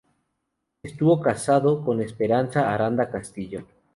Estuvo casado con Esperanza Aranda Castillo.